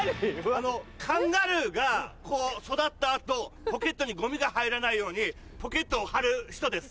あのカンガルーが育った後ポケットにゴミが入らないようにポケットをはる人です。